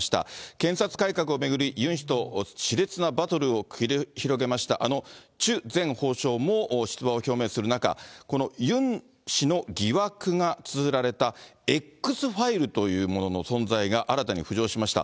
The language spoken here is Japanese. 検察改革を巡り、ユン氏としれつなバトルを繰り広げました、あのチュ前法相も出馬を表明する中、このユン氏の疑惑がつづられたＸファイルというものの存在が新たに浮上しました。